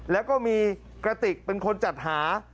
แล้วก็มีกระติกเป็นคนจัดหา